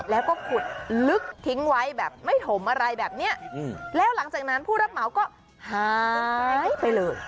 แล้วก็ขุดลึกทิ้งไว้แบบไม่ถมอะไรแบบนี้แล้วหลังจากนั้นผู้รับเหมาก็หายไปเลย